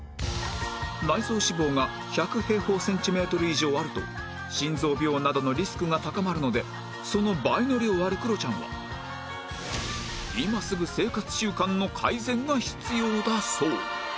内臓脂肪が１００平方センチメートル以上あると心臓病などのリスクが高まるのでその倍の量あるクロちゃんは今すぐ生活習慣の改善が必要だそう